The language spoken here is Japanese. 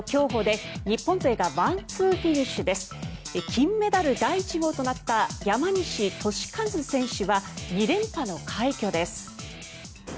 金メダル第１号となった山西利和選手は２連覇の快挙です。